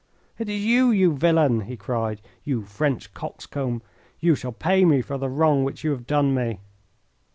"It is you, you villain!" he cried. "You French coxcomb. You shall pay me for the wrong which you have done me."